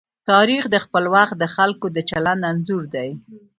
تاریخ د خپل وخت د خلکو د چلند انځور دی.